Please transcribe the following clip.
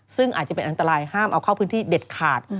ซึ่งอาจจะเป็นอันตรายห้ามเอาเข้าพื้นที่เด็ดขาด